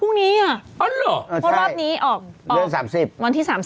พรุ่งนี้อ่ะอันเหรอเพราะรอบนี้ออกวันที่๓๐